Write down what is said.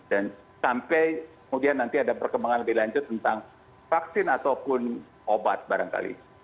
dan sampai kemudian nanti ada perkembangan lebih lanjut tentang vaksin ataupun obat barangkali